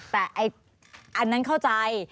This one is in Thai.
แต่อันนั้นเข้าใจ